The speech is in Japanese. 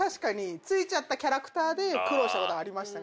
付いちゃったキャラクターで苦労したことありましたね